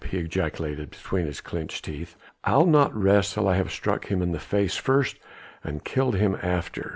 he ejaculated between his clenched teeth. "I'll not rest till I have struck him in the face first and killed him after!"